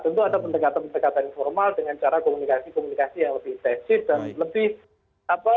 tentu ada pendekatan pendekatan informal dengan cara komunikasi komunikasi yang lebih intensif